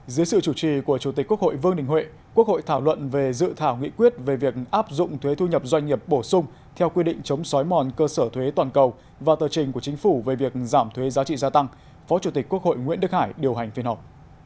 dưới sự chủ trì của chủ tịch quốc hội vương đình huệ quốc hội thảo luận về dự thảo nghị quyết về việc áp dụng thuế thu nhập doanh nghiệp bổ sung theo quy định chống xói mòn cơ sở thuế toàn cầu và tờ trình của chính phủ về việc giảm thuế giá trị gia tăng phó chủ tịch quốc hội nguyễn đức hải điều hành phiên họp